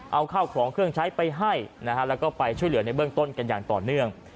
เอาข้าวของเครื่องใช้ไปให้นะฮะแล้วก็ไปช่วยเหลือในเบื้องต้นกันอย่างต่อเนื่อง